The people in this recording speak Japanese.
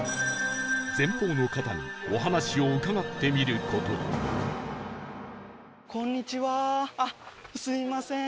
前方の方にお話を伺ってみる事にあっすみません。